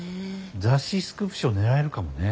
雑誌スクープ賞狙えるかもね。